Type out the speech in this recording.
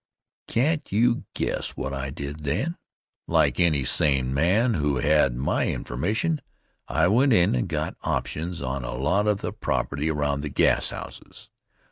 Can't you guess what I did then? Like any sane man who had my information, I went in and got options on a lot of the property around the gashouses.